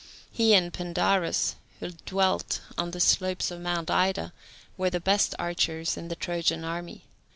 He and Pandarus, who dwelt on the slopes of Mount Ida, were the best archers in the Trojan army.